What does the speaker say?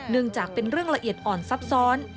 จากเป็นเรื่องละเอียดอ่อนซับซ้อน